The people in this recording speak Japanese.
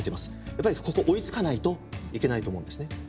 やっぱりここ追いつかないといけないと思うんですね。